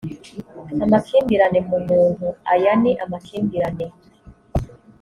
amakimbirane mu muntu aya ni amakimbirane